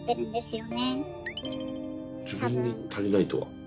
自分に足りないとは？